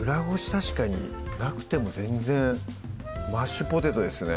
確かになくても全然マッシュポテトですね